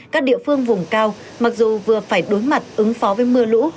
các địa phương vùng cao mặc dù vừa phải đối mặt ứng phó với mưa lũ